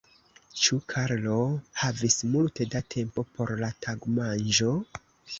Ĉu Karlo havis multe da tempo por la tagmanĝo?